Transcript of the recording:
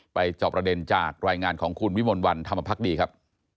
จอบประเด็นจากรายงานของคุณวิมลวันธรรมพักดีครับ